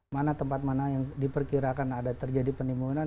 mana tempat mana yang diperkirakan ada terjadi penimbunan